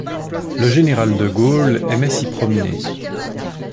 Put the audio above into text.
Le général de Gaulle aimait s'y promener.